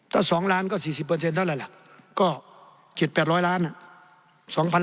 ถ้า๒ล้านก็๔๐เท่าไรล่ะก็๗๘๐๐ล้านอ่ะ